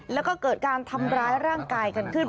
แล้วก็เกิดการทำร้ายร่างกายกันขึ้น